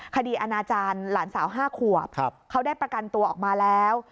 อนาจารย์หลานสาว๕ขวบเขาได้ประกันตัวออกมาแล้ว